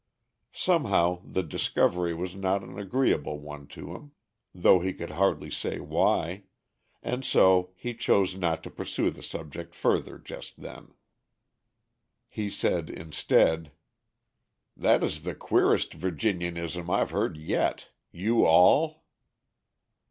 Somehow the discovery was not an agreeable one to him though he could hardly say why, and so he chose not to pursue the subject further just then. He said instead: "That is the queerest Virginianism I've heard yet 'you all.'"